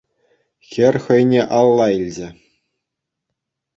Хӗр хӑйне алла илчӗ.